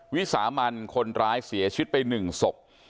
วิสามันคนร้ายเสียชีวิตไป๑ศพ